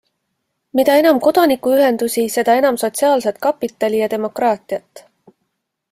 Mida enam kodanikuühendusi, seda enam sotsiaalset kapitali ja demokraatiat.